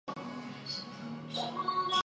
我有一股兴奋的感觉